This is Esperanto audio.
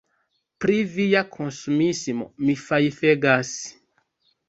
Pri via konsumismo mi fajfegas!